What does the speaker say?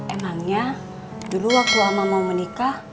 emangnya dulu waktu lama mau menikah